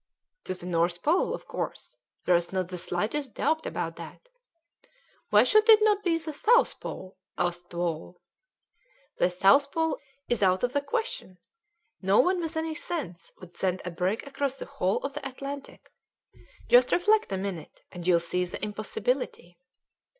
"To the North Pole, of course; there's not the slightest doubt about that." "Why should it not be the South Pole?" asked Wall. "The South Pole is out of the question. No one with any sense would send a brig across the whole of the Atlantic. Just reflect a minute, and you'll see the impossibility."